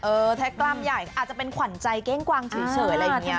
แค่กล้ามใหญ่อาจจะเป็นขวัญใจเก้งกวางเฉยอะไรอย่างนี้